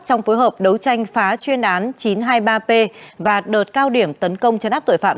trong phối hợp đấu tranh phá chuyên án chín trăm hai mươi ba p và đợt cao điểm tấn công chấn áp tội phạm